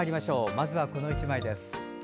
まずはこの１枚。